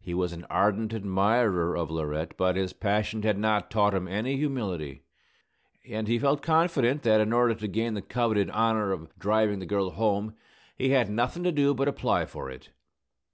He was an ardent admirer of Laurette; but his passion had not taught him any humility, and he felt confident that in order to gain the coveted honor of driving the girl home he had nothing to do but apply for it.